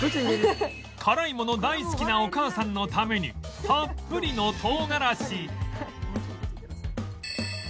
辛いもの大好きなお母さんのためにたっぷりの唐辛子！